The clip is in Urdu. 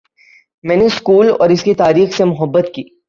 میں نے سکول اور اس کی تاریخ سے محبت کی